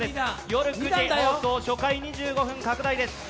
夜９時放送、初回２５分拡大です。